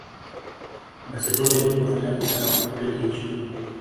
Barcelona ilikuwa hatari sana kwa kipindi hicho